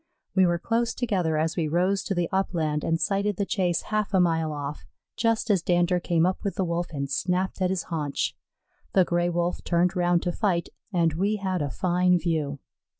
We were close together as we rose to the upland and sighted the chase half a mile off, just as Dander came up with the Wolf and snapped at his haunch. The Gray wolf turned round to fight, and we had a fine view.